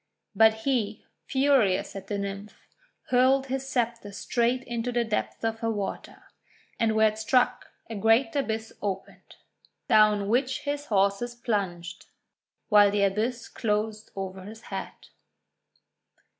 But he, furious at the Nymph, hurled his sceptre straight into the depths of her water. And where it struck a great abyss opened, down which his horses plunged, while the abyss closed over his head.